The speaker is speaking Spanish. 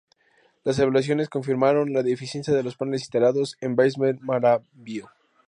Las evaluaciones confirmaron la eficiencia de los paneles instalados en Base Marambio.